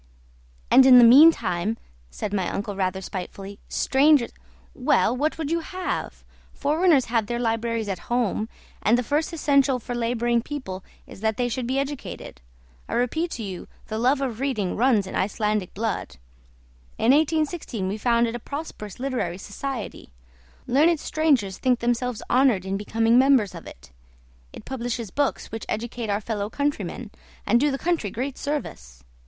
"And in the meantime," said my uncle rather spitefully, "strangers " "Well, what would you have? Foreigners have their libraries at home, and the first essential for labouring people is that they should be educated. I repeat to you the love of reading runs in Icelandic blood. In 1816 we founded a prosperous literary society; learned strangers think themselves honoured in becoming members of it. It publishes books which educate our fellow countrymen, and do the country great service.